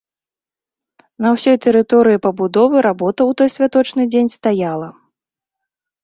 На ўсёй тэрыторыі пабудовы работа ў той святочны дзень стаяла.